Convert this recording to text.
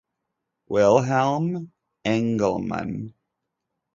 Wilhelm Engelmann.